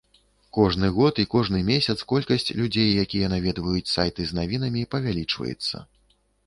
Кожны год і кожны месяц колькасць людзей, якія наведваюць сайты з навінамі павялічваецца.